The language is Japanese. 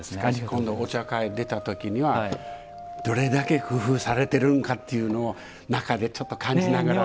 今度お茶会出たときにはどれだけ工夫されてるんかっていうのを中でちょっと感じながら。